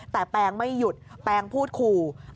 แต่แปงไม่หยุดแปงพูดขู่